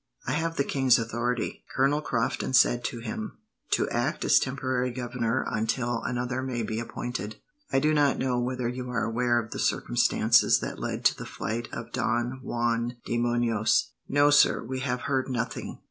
"I have the king's authority," Colonel Crofton said to him, "to act as temporary governor until another may be appointed. I do not know whether you are aware of the circumstances that led to the flight of Don Juan de Munos?" "No, sir, we have heard nothing.